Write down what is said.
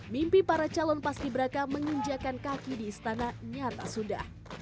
mimpi para calon pasti berangkat menginjakan kaki di istana nyata sudah